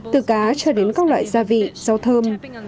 từ cá cho đến các loại gia vị rau thơm